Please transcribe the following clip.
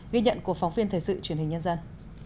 ghi nhận của phóng viên thời sự truyền hình nhân dân